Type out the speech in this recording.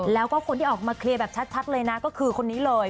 แล้วก็คนที่ออกมาเคลียร์แบบชัดเลยนะก็คือคนนี้เลย